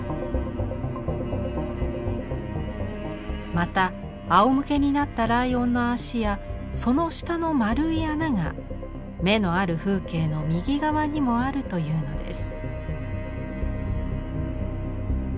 またあおむけになったライオンの足やその下のまるい穴が「眼のある風景」の右側にもあるというのです。